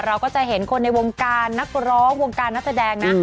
เราก็จะเห็นคนในวงการนักร้องวงการนักแสดงนะ